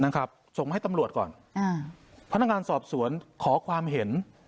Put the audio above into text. ส่งให้ตำรวจก่อนอ่าพนักงานสอบสวนขอความเห็น